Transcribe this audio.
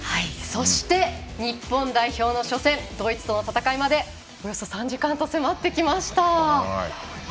そして日本代表の初戦ドイツとの戦いまでおよそ３時間と迫ってきました。